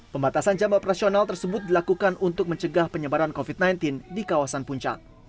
pembatasan jam operasional tersebut dilakukan untuk mencegah penyebaran covid sembilan belas di kawasan puncak